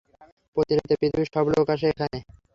প্রতি রাতে পৃথিবীর সব লোক আসে এখানে।